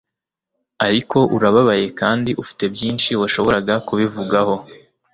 ariko urababaye kandi ufite byinshi washoboraga kubivugaho